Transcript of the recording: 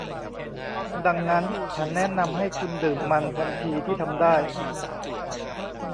ดังนั้น ฉันแนะนำให้คุณดื่มมันทันทีที่ทำได้